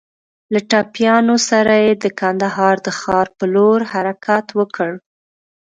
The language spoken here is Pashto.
له ټپيانو سره يې د کندهار د ښار په لور حرکت وکړ.